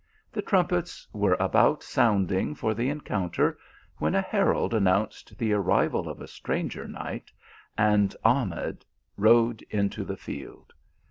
The trumpets were about sounding for the encounter when a herald announced the arrival of a stranger knight, and Ahmed rode into the field.